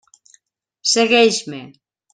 Segueix-me.